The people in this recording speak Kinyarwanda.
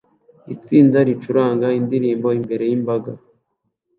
Itsinda ricuranga indirimbo imbere yimbaga